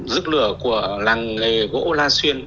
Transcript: rước lửa của làng nghề gỗ la xuyên